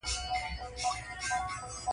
د خپلو مشاهیرو د نامې را ژوندي کولو کې.